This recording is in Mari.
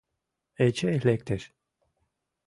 Эчей лектеш.